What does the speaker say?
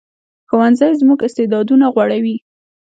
ښوونځی زموږ استعدادونه غوړوي